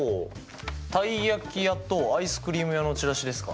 たい焼き屋とアイスクリーム屋のチラシですか。